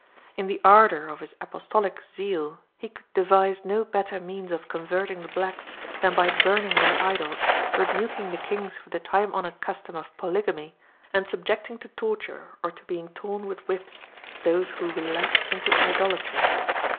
In the ardour of his apostolic zeal, he could devise no better means of converting the blacks than by burning their idols, rebuking the kings for the time honoured custom of polygamy, and subjecting to torture, or to being torn with whips, those who relapsed into idolatry.